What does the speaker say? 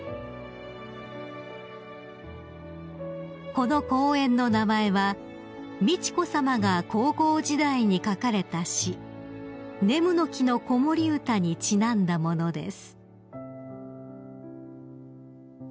［この公園の名前は美智子さまが高校時代に書かれた詩『ねむの木の子守歌』にちなんだものです］